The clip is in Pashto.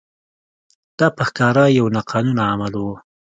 دا په ښکاره یو ناقانونه عمل و.